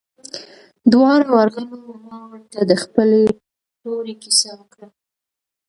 دواړه ورغلو ما ورته د خپلې تورې كيسه وكړه.